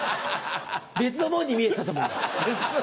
別のものに見えたと思う。